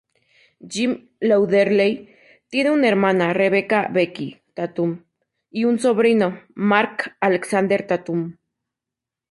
Jim Lauderdale tiene una hermana, Rebecca "Becky" Tatum, y un sobrino, Mark Alexander Tatum.